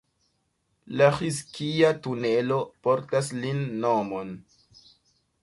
La Ĥizkija-tunelo portas lin nomon.